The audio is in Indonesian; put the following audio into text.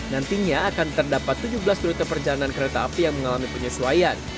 nantinya akan terdapat tujuh belas rute perjalanan kereta api yang mengalami penyesuaian